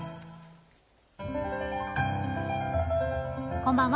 こんばんは。